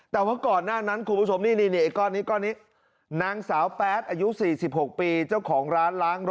แต่ว่าก่อนหน้านั้นคุณผู้ชมนี่ไอ้ก้อนนี้ก้อนนี้นางสาวแป๊ดอายุ๔๖ปีเจ้าของร้านล้างรถ